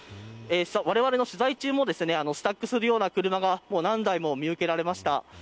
われわれの取材中もスタックするような車が何台も見受けられました。